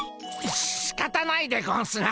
しかたないでゴンスな。